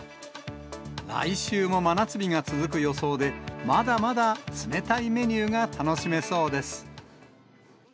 来週も真夏日が続く予想で、まだまだ冷たいメニューが楽しめそうです。